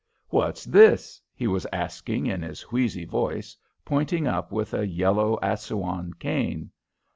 "What's this?" he was asking in his wheezy voice, pointing up with a yellow Assouan cane.